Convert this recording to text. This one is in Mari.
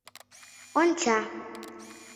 Онча